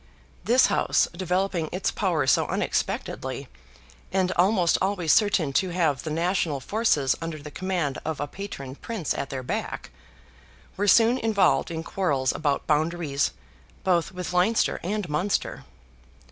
This house developing its power so unexpectedly, and almost always certain to have the national forces under the command of a Patron Prince at their back, were soon involved in quarrels about boundaries, both with Leinster and Munster.